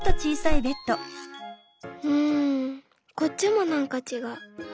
「うんこっちもなんかちがう」。